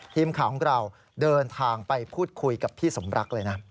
ทีมข่าวของเราเดินทางไปพูดคุยกับพี่สมรักเลยนะ